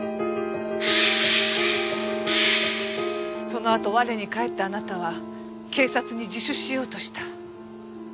そのあと我に返ったあなたは警察に自首しようとした。